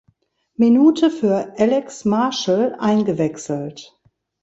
Minute für Alex Marshall eingewechselt.